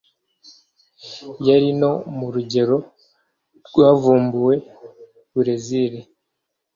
yari no mu rugendo rwavumbuye Burezili